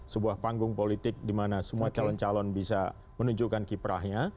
sebuah panggung politik di mana semua calon calon bisa menunjukkan kiprahnya